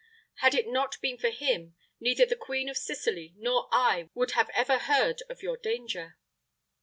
"Had it not been for him, neither the Queen of Sicily nor I would ever have heard of your danger."